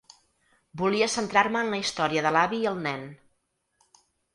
Volia centrar-me en la història de l’avi i el nen.